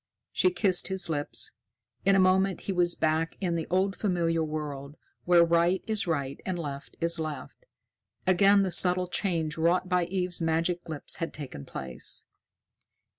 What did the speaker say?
She kissed his lips. In a moment, he was back in the old familiar world, where right is right and left is left. Again the subtle change wrought by Eve's magic lips had taken place.